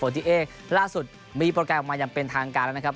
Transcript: การล่าสุดมีประการออกมาอย่างเป็นทางการแล้วนะครับ